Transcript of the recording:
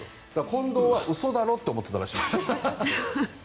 近藤は嘘だろと思ってたらしいです。